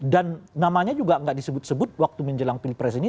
dan namanya juga tidak disebut sebut waktu menjelang pilpres ini